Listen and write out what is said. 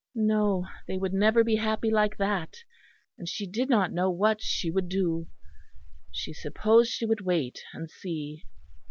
No, they would never be happy like that; and she did not know what she would do. She supposed she would wait and see.